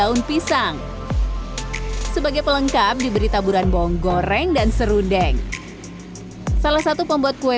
episang sebagai pelengkap diberi taburan bongs google rank dan serundeng salah satu pembuat kue